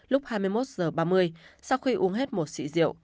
lúc hai mươi một h ba mươi sau khi uống hết một sĩ rượu